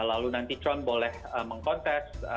lalu nanti trump boleh mengkontes